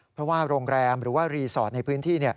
เพราะว่าโรงแรมหรือว่ารีสอร์ทในพื้นที่